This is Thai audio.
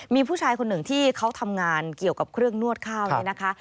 มีผู้ชายคนหนึ่งที่เขาทำงานเกี่ยวกับเครื่องนวดข้าวเนี่ยนะคะ